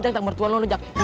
jatuh mertua lo